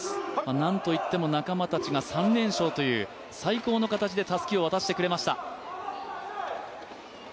なんといっても仲間たちが３連勝という最高の形でたすきを渡してくれました。